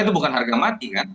itu bukan harga mati kan